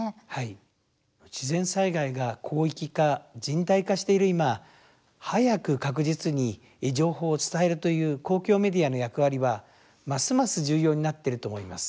自然災害が広域化・甚大化している今早く確実に情報を伝えるという公共メディアの役割は、ますます重要になっていると思います。